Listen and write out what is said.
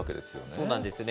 そうなんですよね。